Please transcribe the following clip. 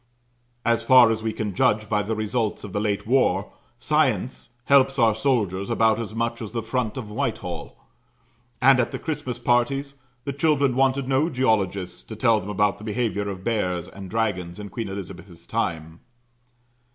As far as we can judge by the results of the late war, science helps our soldiers about as much as the front of Whitehall; and at the Christmas parties, the children wanted no geologists to tell them about the behaviour of bears and dragons in Queen Elizabeth's time.